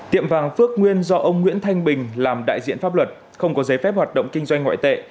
tiệm vàng phước nguyên do ông nguyễn thanh bình làm đại diện pháp luật không có giấy phép hoạt động kinh doanh ngoại tệ